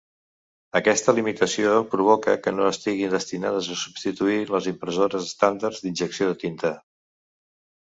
Aquesta limitació provoca que no estiguin destinades a substituir les impressores estàndards d'injecció de tinta.